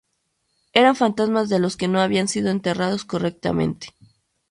Eran fantasmas de los que no habían sido enterrados correctamente.